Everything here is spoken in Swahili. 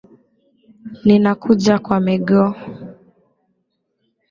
Ninakuja kwa miguu